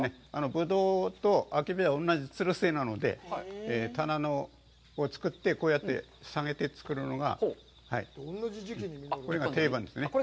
ぶどうとあけびは同じつるせいなので、棚の、作って、こうやって下げて作るのがこれが定番なんですね。